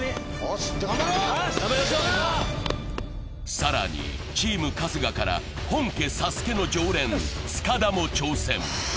更に、チーム春日から本家「ＳＡＳＵＫＥ」の常連、塚田も参戦。